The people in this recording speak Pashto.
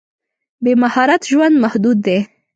بې مهارت ژوند محدود دی.